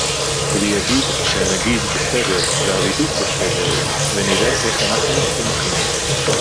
ויגיד שהנגיד בסדר והריבית בסדר ונראה איך אנחנו צומחים